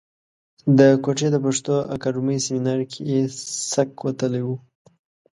د کوټې د پښتو اکاډمۍ سیمنار کې یې سک وتلی و.